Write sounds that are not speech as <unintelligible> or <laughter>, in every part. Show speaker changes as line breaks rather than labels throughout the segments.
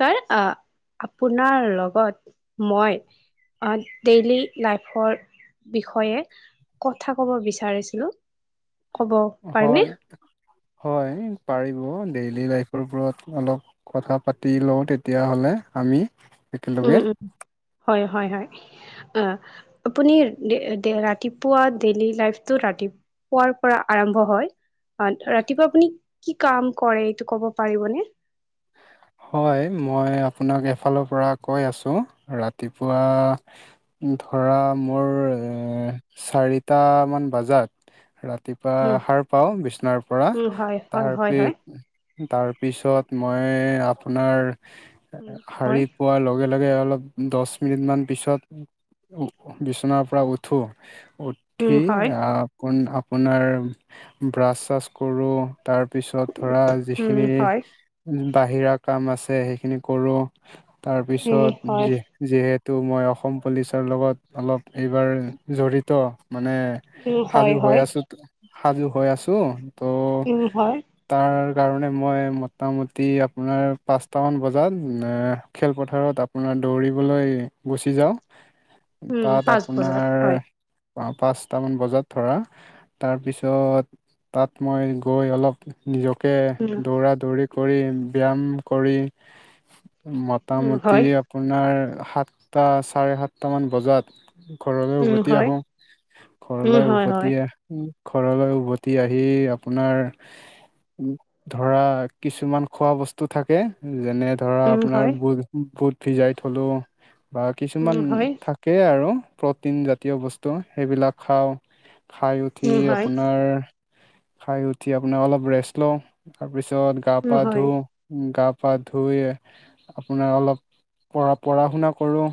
Sir আহ আপোনোনাৰ লগত মই ডেইলি লাইফৰ বিষয়ে কথা কব বিচাৰিছিলোঁ। ক'ব পাৰিমনে?
হয়, হয় পাৰিব। ডেইলি লাইফৰ ওপৰত অলপ কথা পাতি লওঁ তেতিয়াহ'লে আমি
উম,
একেলগে।
উম, হয়, হয়, হয়। অ', আপুনি ৰাতিপুৱা ডেইলি লাইফটো ৰাতি পুৱাৰ পৰা আৰম্ভ হয়। অ', ৰাতিপুৱা আপুনি কি কাম কৰে এইটো কব পাৰিবনে?
হয়, মই আপোনাক এফালৰ পৰা কৈ আছোঁ ৰাতিপুৱা ধৰা মোৰ চাৰিটামান বজাত ৰা ৰাতিপুৱা
উম,
সাৰ পাওঁ বিচনাৰ পৰা
উম, হয়, হয়,
তাৰ
হয়,
পি
হয়।
পিছত মই আপোনাৰ
উম, হয়,
শাৰী পোৱাৰ লগে একে অলপ দহ মিনিটমান পিছত বিচনাৰ পৰা উঠো উঠি
উম, হয়,
আপোন আপোনাৰ ব্ৰাছ চাছ কৰোঁ। তাৰ পিছত ধৰা যিখিনি
উম, হয়,
বাহিৰা কাম আছে সেইখিনি কৰো
উম,
তাৰপিছত
হয়,
যিহেতু তো মই অসম পুলিচৰ লগত অলপ এইবাৰ জড়িত। মানে
উম, হয়,
সাজু হৈ
হয়,
আছো সাজু হৈ আছো। ত'
এনে হয়।
তাৰ কাৰণে মই মোটামুটি আপোনাৰ পাঁচটামান বজাত খেলপথাৰত আপোনাৰ দৌৰিবলৈ গুচি যাওঁ।
উম,
তাত
পাঁচ বজাত
আপোনাৰ
হয়,
পাঁচটামান বজাত ধৰা তাৰপিছত তাত মই গৈ অলপ নিজক
উম,
দৌৰা দৌৰি কৰি ব্যায়াম কৰি
উম
মোটামুটি
হয়
আপোনাৰ সাতটা চাৰে সাতটামান বজাত ঘৰলৈ
উম
উভতি
হয়
আহো
উম
ঘৰলৈ
হয় হয়
উভতি আহ ঘৰলৈ উভতি আহি আপোনাৰ ধৰা কিছুমান খোৱা বস্তু থাকে যেনে ধৰা
উম
আপোনাৰ
হয়
বুট বুট ভিজাই থলো বা
উম
কিছুমান
হয়
থাকেই আৰু প্ৰটিন জাতীয় বস্তু সেইবিলাক খাওঁ। খাই উঠি
উম হয়
আপোনাৰ, খাই উঠি আপোনাৰ অলপ ৰেষ্ট লওঁ, তাৰপিছত পিছত গা পা ধুওঁ। গা পা ধুই আপোনাৰ অলপ পঢ়া-পঢ়া শুনা কৰোঁ।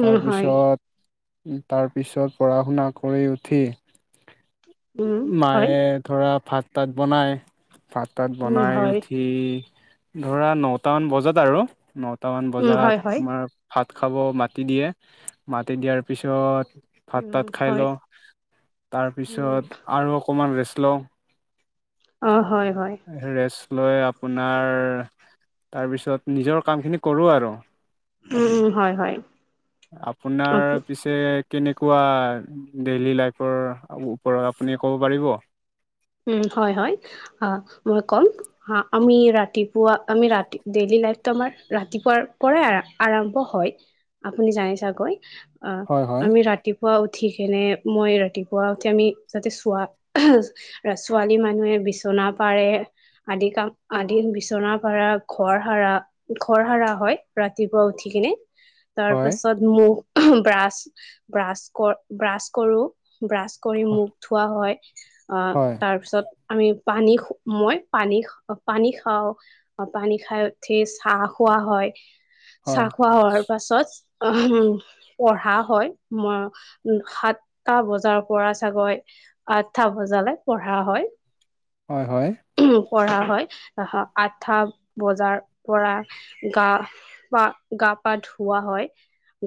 উম হয়
তাৰপিছত তাৰ পিছত পঢ়া-শুনা কৰি উঠি।
উম হয়
মায়ে ধৰা ভাত-তাত বনাই। ভাত-তাত
উম
বনাই
হয়
উঠি ধৰা, নটামান বজাত আৰু ন টামান
উম হয় উম
বজাত
হয় হয়
তমাৰ ভাত খাব মাটি দিয়ে, মাটি দিয়াৰ পিছত
উম
ভাত-তাত খাই
হয়
লওঁ,
উম
তাৰপিছত আৰু অকমান ৰেষ্ট লওঁ।
অ', হয় হয়।
ৰেষ্ট লৈ আপোনাৰ তাৰপিছত নিজৰ কামখিনি কৰোঁ আৰু।
উম উম হয় হয়
আপোনাৰ পিছে কেনেকুৱা ডেইলী লাইফৰ ওপৰত আপুনি ক'ব পাৰিব?
উম, হয়, হয়, অ', মই কম আমি ৰাতিপুৱা আমি ৰাতি ডেইলি লাইফটো আমাৰ ৰাতিপুৱাৰ পৰাই আৰম্ভ হয়, আপুনি জানে চাগৈ? অ',
হয় হয়
আমি ৰাতিপুৱা উ ঠি কেনে মই ৰাতিপুৱা উঠি আমি যাতে চোৱা ছোৱালী মানুহে বিচনা পাৰে। আদি কাম, আদি বিচনাৰ পাৰা ঘৰ সাৰা ঘৰ সাৰা হয় ৰাতিপুৱা উঠি কিনে। তাৰ
হয়
পাছত মুখ ব্ৰাছ-ব্ৰাছ কৰ ব্ৰাছ কৰোঁ। ব্ৰাছ কৰি মুখ ধোৱা হয়, আহ
হয়
তাৰ পিছত আমি পানী মই পানী পানী খাওঁ, অ', পানী খাই উঠি চাহ খোৱা হয়,
হয়
চাহ খোৱা হোৱাৰ পাছত উ পঢ়া হয়, মই সাতটা বজাৰ পৰা চাগৈ আঠটা বজালৈ পঢ়া হয়।
হয়, হয়।
পঢ়া হয়, আহ আঠা বজাৰ পৰা গা পা গা গা পা ধুৱা হয়,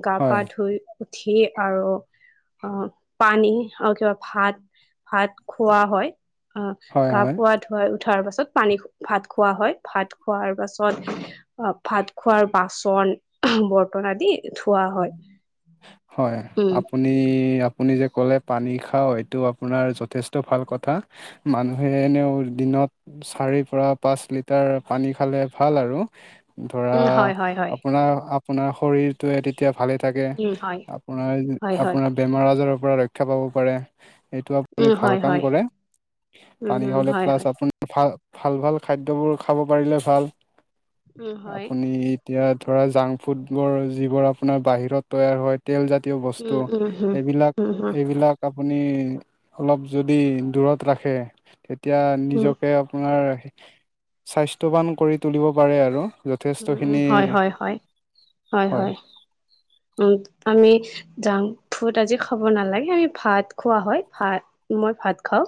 গা পা
হয়
ধুই উঠি আৰু অ', পানী আৰু কিবা ভাত-ভাত খোৱাা হয়। অ',
হয় হয়
<unintelligible> উঠাৰ পাছত পানী ভাত খোৱা হয়, ভাত খোৱাৰ পাছত অ', ভাত খোৱাৰ বাচন বৰ্তন আদি ধোৱা হয়।
হয়,
উম
আপুনি আপুনি যে ক'লে পানী খাও এইটো আপোনাৰ যথেষ্ট ভাল কথা, মানুহে এনেও দিনত চাৰিৰ পৰা পাঁচ লিটাৰ পানী খালে ভাল আৰু। ধৰা,
উম হয় হয় হয়
আপোনাৰ, আপোনাৰ শৰীৰটোয়ে, তেতিয়া ভালে থাকে।
উম হয়
আপোনাৰ,
হয় হয়
আপোনাৰ বেমাৰ-আজাৰৰ পৰা ৰক্ষা পাব পাৰে। এইটো আপুনি
উম
ভাল
হয়
কাম
হয়
কৰে,
উম
পানী
উম
খাবলৈ,
হয়
প্লাছ
হয়
আপুনি ভাল ভাল, ভাল খাদ্যবোৰ খাব পাৰিলে ভাল,
উম হয়
আপুনি এতিয়া ধৰা জাংক ফুডবোৰ যিবোৰ আপোনাৰ বাহিৰত তৈয়াৰ হয় তেলজাত জাতীয় বস্তু
উম উম হম
এইবিলাক
উম হম
এইবিলাক আপুনি অলপ যদি দূৰত ৰাখে তেতিয়া
উম
নিজকে আপোনাৰ স্বাস্থ্যৱান কৰি তুলিব পাৰে আৰু।
উম, উম,
যথেষ্টখিনি
হয়, হয়, হয়, হয়, উম, উম। আমি জাং ফুড আজি খাব নালাগে, আমি ভাত খোৱা হয় ভাত, মই ভাত খাওঁ।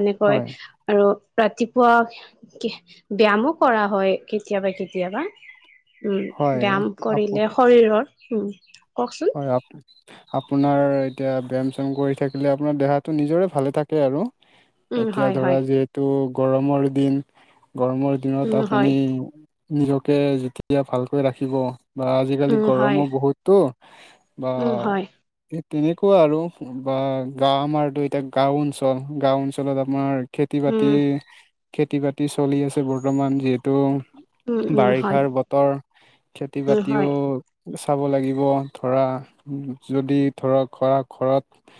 এনেকৈ
হয়
আৰু ৰাতিপুৱা ব্যয়ামো কৰা হয়, কেতিয়াবা, কেতিয়াবা। উম,
হয়
ব্যায়াম
আপ
কৰিলে, শৰীৰৰ উম। কওকচোন
হয় আপ আপোনাৰ এতিয়া ব্যায়াম চ্যায়াম কৰি থাকিলে আপোনাৰ দেহাটো নিজৰে ভালে থাকে আৰু।
উম
এতিয়া
হয়
ধৰা
হয়
যিহেতু গৰমৰ দিন গৰমৰ দিনত
উম হয়
আপুনি নিজকে যেতিয়া ভালকৈ ৰাখিব। বা আজিকালি
উম হয়
গৰমো বহুতো আ
উম হয়
তেনেকুৱা আৰু বা গাঁও আমাৰতো এতিয়া গাঁও অঞ্চল। গাঁও অঞ্চলত আমাৰ খেতি বাতি
উম
খেতি বাতি চলি আছে বৰ্তমান যহেতু।
উম উম হয়
বাৰিষাৰ বতৰ খেতি
উম
বাতিও
হয়
চাব লাগিব ধৰা। যদি ধৰক ঘৰত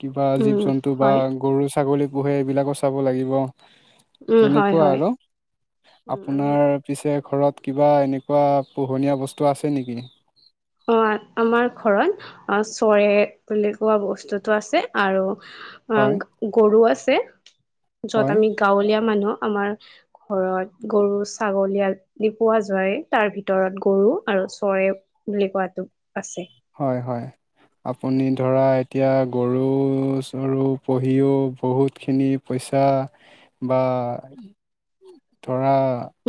কিবা
উম
জীৱ জন্তু বা
হয়
গৰু ছাগলী পোহে এইবিলাকো চাব লাগিব।
উম হয়
তেনেকুৱা
হয়
আৰু
উম আমি
আপোনাৰ পিছে ঘৰত কিবা এনেকুৱা পোহনীয়া বস্তু আছে নেকি?
অ', আমাৰ ঘৰত অ চৰে বুলি কোৱা বস্তুতটো আছে আৰু
হয়,
অ', গৰু আছে য'ত
হয়,
আমি গাঁৱলীয়া মানুহ। আমাৰ ঘৰত গৰু ছাগলী আদি পোৱা যায় তাৰ ভিতৰত গৰু আৰু। চৰে বুলি কোৱাতো আছে।
হয়, হয়। আপুনি ধৰা এতিয়া গৰু চৰু পুহিও বহুতখিনি পইচা পিইচা বা ধৰা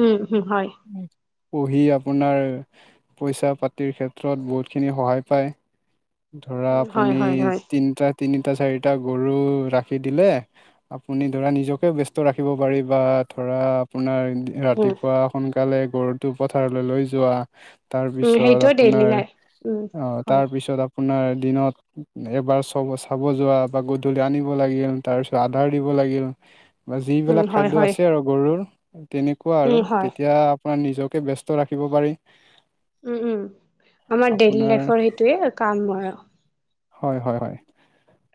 উম, হম হয়।
উম। পুহি আপোনাৰ পইচা পাতিৰ ক্ষেত্ৰত বহুতখিনি সহায় পায়। ধৰা
উম, হয়,
আপুনি
হয়, হয়,
তিনিটা তিনি আটা চাৰিটা গৰু ৰাখি দিলে আপুনি ধৰা নিজকে ব্যস্ত ৰাখিব পাৰি বা পৰা আপোনাৰ
উম,
ৰাতিপুৱা সোনকালে গৰুটো পথাৰলৈ লৈ যোৱা।
উম,
তাৰপিছত
সেইটোৱে ডেইলি
আপোনাৰ
লাইফ উম,
অ'
হয়,
তাৰপিছত আ আপোনাৰ দিনত এবাৰ চ চাব যোৱা বা গধূলি আনিব লাগিল তাৰপিছত আধাৰ দিব বা
উম,
যিবিলাক
হয়,
খাদ্য
হয়,
আছে আৰু গৰুৰ তেনেকুৱা
উম,
আৰু
হয়,
তেতিয়া আপোনাৰ নিজকে ব্যস্ত ৰাখিব পাৰি।
উম, উম আমাৰ ডেইলী
আপোনাৰ
লাইফৰ সেইটোৱে কাম আৰু।
হয়, হয়, হয়।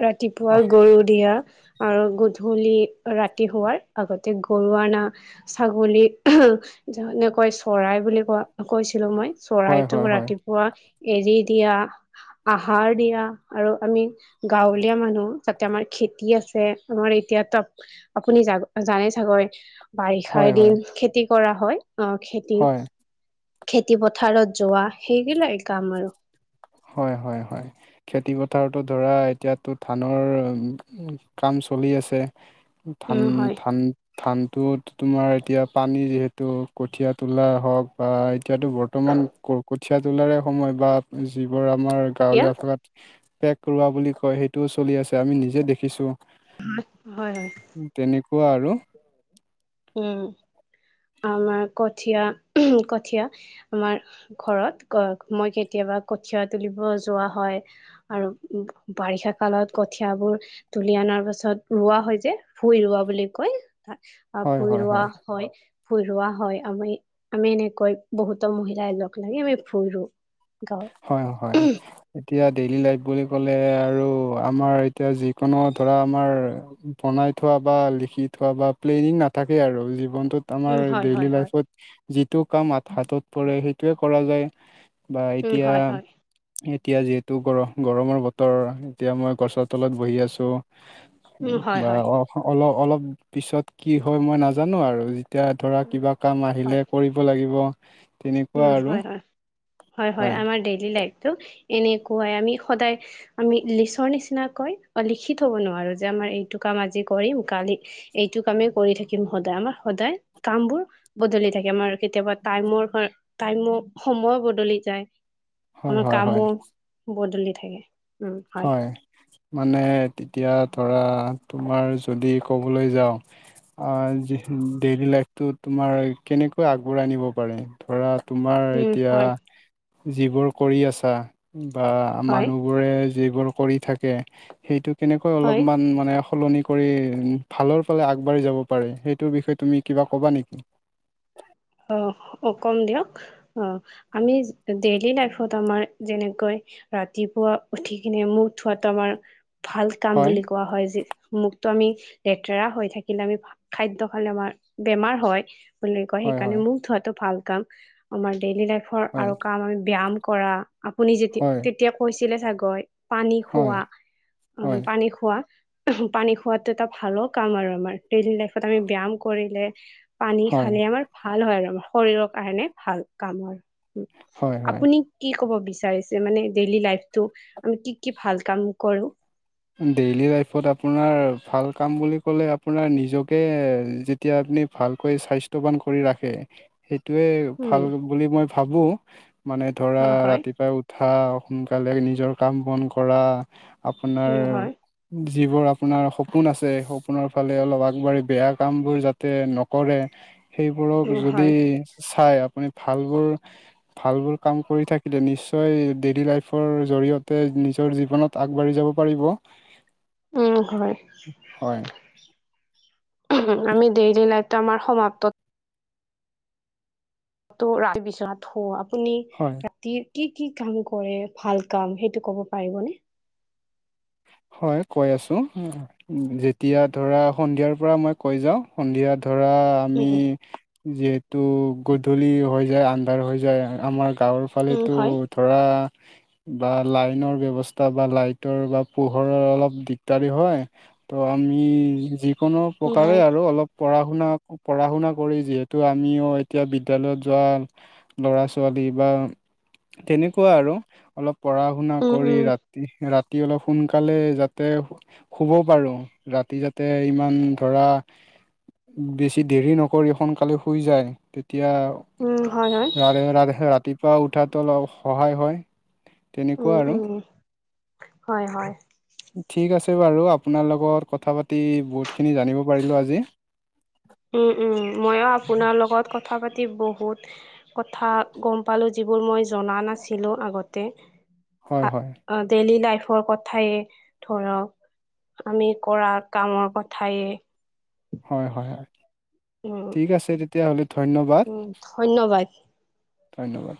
ৰাতিপুৱাৰ গৰু দিয়া। আৰু গধূলি ৰাতি শোৱাৰ আগতে গৰু আনা ছাগলী নেকৈ চৰাই বুলি কোৱা কৈছিলো মই।
হয় হয়
চৰাইটোক
হয়
ৰাতিপুৱা এৰি দিয়া আহাৰ দিয়া আৰু আমি গাঁৱলীয়া মানুহ যাতে আমাৰ খেতি আছে আমাৰ এতিয়াাতো আপুনি জাগ জানে চাগৈ। বাৰিষা
হয়
এ
হয়
দিন খেতি কৰা হয় আহ খেতি
হয়
খেতি পথাৰত যোৱা সেইগিলাক কাম আৰু।
হয়, হয়, হয় খেতি পথাৰতো ধৰা এতিয়ো ধানৰ কাম চলি আছে ধান
উম হয়
ধান ধান তোট তোমাৰ এতিয়া পানী যিহেতু কঠীয়াা তোলা হওক বা এতিয়াতো বৰ্তমান কঠীয়া তোলাৰে সময় বা যিবোৰ আমাৰ
এতিয়া
গাঁৱলীয়া ভাষাত পেক কৰোৱা বুলি কয় সেইটোও চলি আছে আমি নিজে দেখিছো।
হয়, হয়।
কোৱা আৰু।
উম। আমাৰ কঠীয় কঠীয়া আমাৰ ঘৰত মই কেতিয়াবা কঠীয় তুলিব যোৱা হয় আৰু বাৰিষা কালত কঠিয়বোৰ <unintelligible> পাছত ৰোৱা হয় যে ভুই ৰোৱা বুলি কৈ
হয়
ভুই
হয়
ৰোৱা হয়। ফুৰোৱা হয় আমি আমি এনেকৈ বহুতো মহিলাই লগ লাগি আমি ফুৰো।
হয়, হয়। এতিয়া ডেইলি লাইফ বুলি ক'লে আৰু আমাৰ এতিয়া যিকোনো ধৰা আমাৰ বনাই থোৱা বা লিখি থোৱা বা প্লেনিং নাথাকে আৰু জীৱন টোত আমাৰ
উম হয়
ডেইলি
হয় হয়
লাইফত যিটো কাম হাতত পৰে সেইটোৱে কৰা যায়।
উম
এতিয়া,
হয় হয়
এ এতিয়া যিহেতু গৰ-গৰমৰ বতৰ এতিয়া মই গছৰ তলত বহি আছোঁ
উম হয়
বা
হয়
অ-অলপ অলপ পিছত কি হয় মই নাজানো আৰু এতিয়া ধৰা
উম
কিবা কাম আহিলে
হয়
কৰিব লাগিব। তেনেকুৱা
উম
আৰু।
হয় হয় হয় হয় আমাৰ ডেইলি লি লাইফটো এনেকুৱাই আমি সদায় আমি লিচৰ নিচিনা কয় লিখি থ'ব নোৱাৰো। আৰু যে আমাৰ এইটো কাম আজি কৰিম কালি এইটো কামেই কৰি থাকিম সদায় আমাৰ সদায় কামবোৰ বদলি থাকে আমাৰ কেতিয়াবা টাইমৰ টাইমো সময় বদলি যায়
হয়
আমাৰ
হয় হয়
কামো বদলি থাকে। উম, হয়।
মানে তেতিয়া ধৰা তোমাৰ যদি ক'বলৈ যাওঁ ডেইলি লাইফটো তোমাৰ কেনেকৈ আগবঢ়াই নিব পাৰে ধৰা তোমাৰ
উম
এতিয়া
হয়
যিবোৰ কৰি আছা বা
হয়
মানুহবোৰে যিবোৰ কৰি থাকে সেইটো কেনেকৈ
হয়
অলপমান মানে সলনি কৰি ভালৰ ফালে আগবাঢ়ি যাব পাৰে সেইটোৰ বিষয়ে তুমি কিবা ক'বা নেকি? <inaudible>
অ', অ', কম দিয়ক। অ', আমি ডেইলি লাইফত আমাৰ যেনেকৈ ৰাতিপুৱা উঠি কিনে মোক ধোৱাতটো আমাৰ ভাল কাম
হয়
বুলি কোৱা হয়, যি মুখটো আমি লেতেৰা হৈ থাকিলে, আমি খাদ্য খালে আমাৰ বেমাৰ হয় বুলি
হয়
কাৰণে
হয়
মুখ ধোৱাতো ভাল কাম। আমাৰ ডেইলি লাইফৰ
হয়
আৰু কাম আমি ব্যায়াম কৰা আপুনি যেতিয়া,
হয়
তেতিয়া কৈছিলে চাগৈ পানী
হয়
খোৱা, উম,
হয়
পানী খোৱা পানী খোৱাতো এটা ভালো কাম, আৰু আমাৰ ডেইলি লাইফত আমি ব্যায়াম কৰিলে পানী
হয়
খালে আমাৰ ভাল হয়, আৰু আমাৰ শৰীৰৰ কাৰণে ভাল কাম আৰু। উম,
হয় হয়
আপুনি কি কব বিচ বিচাৰিছে মানে ডেইলী লাইফটো আমি কি কি ভাল কাম কৰোঁ?
ডেইলি লাইফত আপোনাৰ ভাল কাম বুলি ক'লে, আপোনাৰ নিজকে যেতিয়া ভালকৈ স্বাস্থ্যৱান কৰি ৰাখে সেইটোৱে
উম,
ভাল বুলি মই ভাবোঁ। মানে ধৰা,
অ' হয়,
ৰাতিপুৱাই উঠা, সোনকালে নিজৰ কাম বন কৰ, আ আপোনাৰ
উম, হয়,
যিবোৰ আপোনাৰ সপোন আছে, সপোনৰ ফালে অলপ আগবাঢ়ি, বেয়া কামবোৰ যাতে নকৰে সেইবোৰক
উম,
যদি
হয়,
চাই আপুনি ভালবোৰ, ভালবোৰ কাম কৰি থাকিলে, নিশ্চয় ডেইলি লাইফৰ জৰিয়তে নিজৰ জীৱনত আগবাঢ়ি যাব পাৰিব।
উম, হয়।
হয়
আমি ডেইলি লাইফটো, আমাৰ সমাপ্ত তো ৰাতি বিচনাত শু, আপুনি
হয়
ৰাতি কি কি কাম কৰে, ভাল কাম, সেইটো ক'ব পাৰিবনে?
হয় কৈ আছো, যেতিয়া ধৰা সন্ধিয়াৰ পৰা মই কৈ যাওঁ, সন্ধিয়াত ধৰা আমি,
উম,
যিহেতু গধূলি হৈ যায় আন্ধাৰ হৈ যায় আমাৰ গাঁৱৰ
উম,
ফালেতো
হয়,
ধৰা, বা লাইনৰ ব্যৱস্থা বা লাইটৰ বা পোহৰৰ অলপ দিগদাৰী হয়, তো আমি যিকোনো
উম,
প্ৰকাৰে
হয়,
আৰু অলপ পঢ়া-শুনা, পঢ়া-শুনা কৰি যিহেতু, আমিও এতিয়া বিদ্যালয়ত যোৱা ল'ৰা-ছোৱালী কিবা তেনেকুৱা আৰু অলপ পঢ়া-শুনা
উম,
কৰি,
উম,
ৰাতি, ৰাতি অলপ সোনকালে যাতে শুব পাৰোঁ, ৰাতি যাতে ইমান ধৰা বেছি দেৰি নকৰি সোনকালে শুই যায় এতিয়া,
উম, হয়, হয়,
ৰাৰে <unintelligible> ৰাৰেহে ৰাতিপুৱা উঠাতো অলপ সহায় হয়। তেনেকুৱা
উম,
আৰু
উম, হয়, হয়।
ঠিক আছে বাৰু, আপোনাৰ লগত কথা পাতি বহুত খিনি জানিব পাৰিলোঁ আজি।
উম, উম। মইয়ো আপোনাৰ লগত কথা পাতি বহুত কথা গম পালোঁ। যিবোৰ মই জনা নাছিলোঁ আগতে।
হয়
সা,
হয়
অ, ডেইলী লাইফ ফৰ কথায়ে ধৰক, আমি কৰা কামৰ কথায়ে
হয়, হয়।
উম,
ঠিক আছে, তেতিয়াহ'লে। ধন্যবাদ
উম, ধন্যবাদ।
ধন্যবাদ।